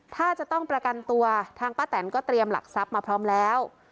ถ้าจะต้องประกันตัวทางป้าแตนก็เตรียมหลักทรัพย์มาพร้อมแล้ว